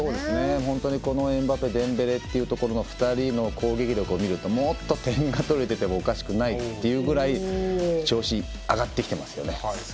本当にこのエムバペデンベレというところの２人の攻撃力を見るともっと点が取れててもおかしくないというぐらい調子が上がってきてますよね。